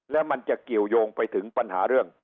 แล้วมันจะเกี่ยวยงไปถึงปัญหาเรื่อง